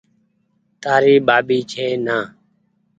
تآري ٻآٻي ڇي نآ